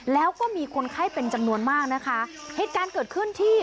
แล้วก็มีคนไข้เป็นจำนวนมากนะคะเหตุการณ์เกิดขึ้นที่